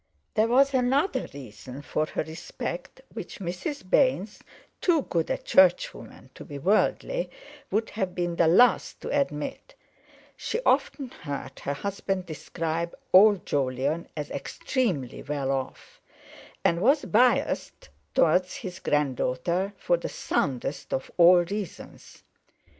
There was another reason for her respect which Mrs. Baynes, too good a churchwoman to be worldly, would have been the last to admit—she often heard her husband describe old Jolyon as extremely well off, and was biassed towards his granddaughter for the soundest of all reasons.